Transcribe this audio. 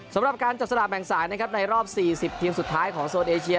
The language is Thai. สำหรับการจับสลากแบ่งสายนะครับในรอบ๔๐ทีมสุดท้ายของโซนเอเชีย